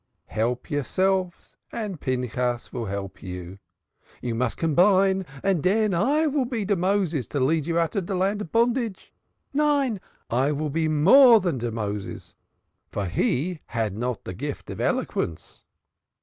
Help yourselves and Pinchas vill help you. You muz combine, and den I vill be de Moses to lead you out of de land of bondage. Nein, I vill be more dan Moses, for he had not de gift of eloquence."